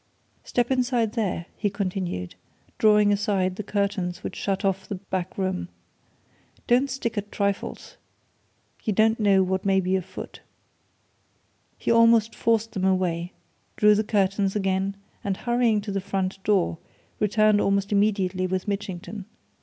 Step inside there," he continued, drawing aside the curtains which shut off the back room. "Don't stick at trifles! you don't know what may be afoot." He almost forced them away, drew the curtains again, and hurrying to the front door, returned almost immediately with Mitchington.